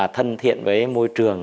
thân thiện với môi trường